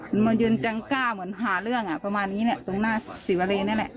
มันมายืนจังก้าเหมือนหาเรื่องประมาณนี้ตรงหน้าสิวะเลนี่แหละ